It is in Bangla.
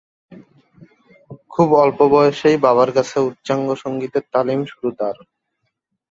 খুব অল্প বয়সেই বাবার কাছে উচ্চাঙ্গ সঙ্গীতের তালিম শুরু তার।